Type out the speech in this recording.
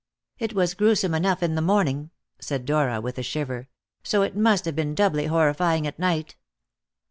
"It was gruesome enough in the morning," said Dora with a shiver, "so it must have been doubly horrifying at night.